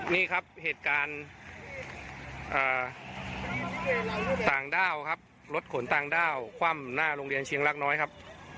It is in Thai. นี่ครับเหตุการณ์ต่างด้าวครับรถขนต่างด้าวคว่ำหน้าโรงเรียนเชียงรักน้อยครับ